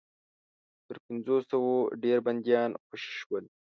تر پنځوسو ډېر بنديان خوشي شول.